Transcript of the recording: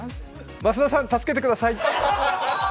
増田さん、助けてください！